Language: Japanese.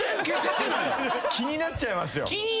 気になっちゃいますよ。